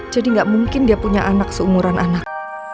jadi gak mungkin dia punya anak seumuran anak